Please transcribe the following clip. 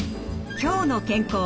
「きょうの健康」